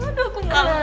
aduh aku malu banget